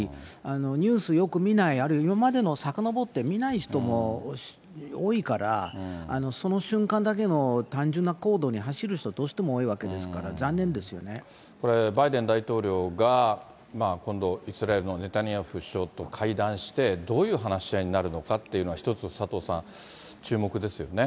ニュースよく見ない、あるいは今までのさかのぼって見ない人も多いから、その瞬間だけの単純な行動に走る人、どうしても多いわけですから、これ、バイデン大統領が今度、イスラエルのネタニヤフ首相と会談して、どういう話し合いになるのかって、一つ、佐藤さん、注目ですよね。